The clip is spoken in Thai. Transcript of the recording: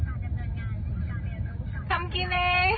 ทำกิเนหน์